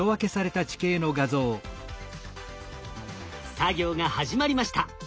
作業が始まりました。